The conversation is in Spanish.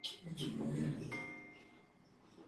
Su único álbum bajo la Warner Bros.